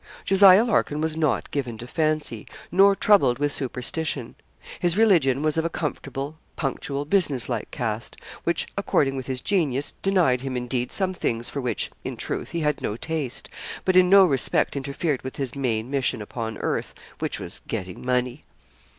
Jos. Larkin was not given to fancy, nor troubled with superstition. His religion was of a comfortable, punctual, business like cast, which according with his genius denied him, indeed, some things for which, in truth, he had no taste but in no respect interfered with his main mission upon earth, which was getting money.